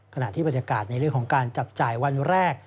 ขณะที่บรรยากาศในเรื่องของการจับจ่ายวันแรก